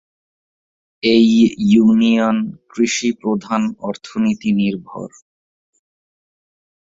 এই ইউনিয়ন কৃষিপ্রধান অর্থনীতি নির্ভর।